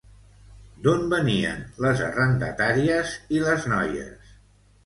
D'on venien les arrendatàries i les noies?